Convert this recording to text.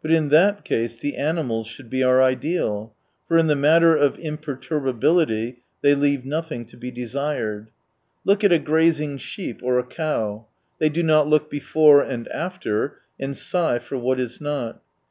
But in that case the animals should be our ideal, for in the matter of imperturbability they leave nothing to be desired. Look at a grazing sheep, or a cow. They do not look before and after, and ^igh for what is not.